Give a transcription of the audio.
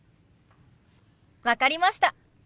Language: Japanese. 分かりました。